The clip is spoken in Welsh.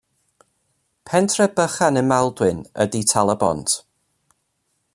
Pentre bychan ym Maldwyn ydy Tal-y-bont.